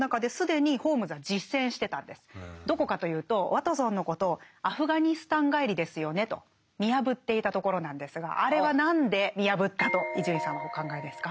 どこかというとワトソンのことを「アフガニスタン帰りですよね」と見破っていたところなんですがあれは何で見破ったと伊集院さんはお考えですか？